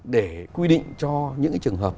để quy định cho những cái trường hợp